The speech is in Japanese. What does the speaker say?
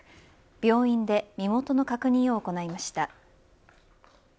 病院で身元の確認を行いました。